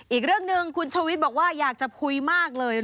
อีกเรื่องหนึ่งคุณชูวิทย์บอกว่าอยากจะคุยมากเลย